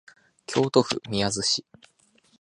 京都府宮津市